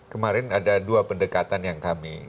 kemarin ada dua pendekatan yang kami